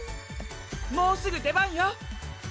もうすぐ出番よ！